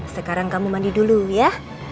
sekarang kamu mandi dulu ya